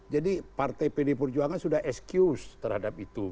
jadi partai pilih perjuangan sudah excuse terhadap itu